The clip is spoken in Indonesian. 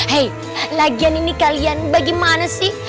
hei lagian ini kalian bagaimana sih